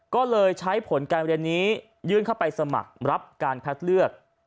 ก็เลยใช้ผลการเรียนนี้ยื่นเข้าไปสมัครรับการคัดเลือก